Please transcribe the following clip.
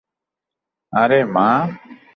আরেহ, মা?